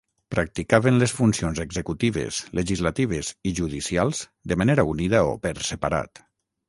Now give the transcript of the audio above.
Practicaven les funcions executives, legislatives i judicials de manera unida o per separat.